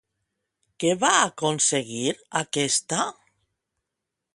Què va aconseguir aquesta?